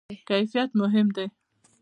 کیفیت مهم دی